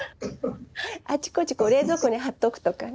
あちこち冷蔵庫にはっておくとかね。